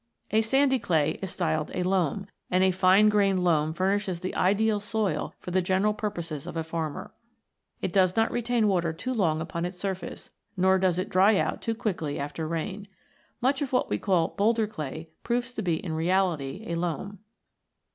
A sandy clay is styled a Loam, and a fine grained loam furnishes the ideal soil for the general purposes of a farmer. It does not retain iv] CLAYS, SHALES, AND SLATES 83 water too long upon its surface, nor does it dry too quickly after rain. Much of what we call boulder clay proves to be in reality a loam.